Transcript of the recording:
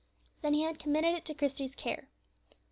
Then he had committed it to Christie's care.